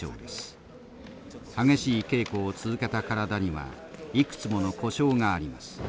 激しい稽古を続けた体にはいくつもの故障があります。